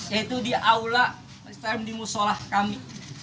yaitu di aula ustadz di musolah kami